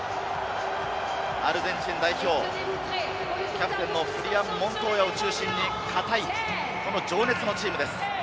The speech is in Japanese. アルゼンチン代表、キャプテンのフリアン・モントーヤを中心に堅い情熱のチームです。